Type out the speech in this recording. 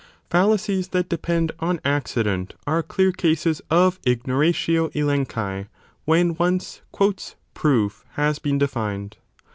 Fallacies that depend on Accident are clear cases of ignoratio elenchi when once proof has been defined.